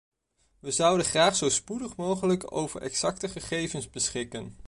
We zouden graag zo spoedig mogelijk over exacte gegevens beschikken.